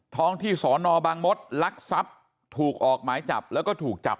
ท้องที่สอนอบางมศลักทรัพย์ถูกออกหมายจับแล้วก็ถูกจับ